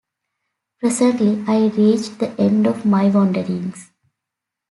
Presently I reached the end of my wanderings.